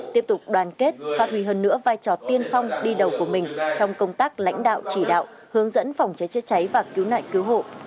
tiếp tục đoàn kết phát huy hơn nữa vai trò tiên phong đi đầu của mình trong công tác lãnh đạo chỉ đạo hướng dẫn phòng cháy chữa cháy và cứu nạn cứu hộ